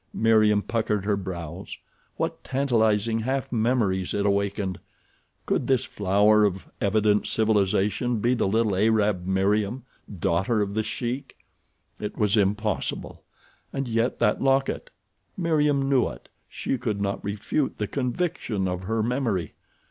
Meriem puckered her brows. What tantalizing half memories it awakened! Could this flower of evident civilization be the little Arab Meriem, daughter of The Sheik? It was impossible, and yet that locket? Meriem knew it. She could not refute the conviction of her memory.